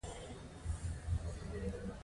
لومړی هغه مواد دي چې زده کیږي.